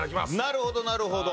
なるほどなるほど。